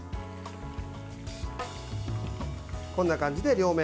こんな感じで両面。